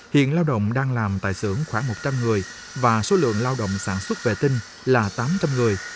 hiện lao động đang làm tại xưởng khoảng một trăm linh người và số lượng lao động sản xuất vệ tinh là tám trăm linh người